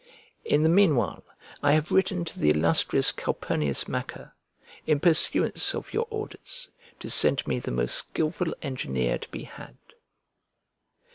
In the meanwhile, I have written to the illustrious Calpurnius Macer, in pursuance of your orders, to send me the most skilful engineer to be had.